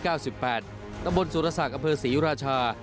แล้วบนสวรรษากอเภอศรีราชา